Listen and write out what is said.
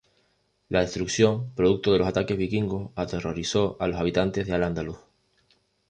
La destrucción producto de los ataques vikingos aterrorizó a los habitantes de Al-Andalus.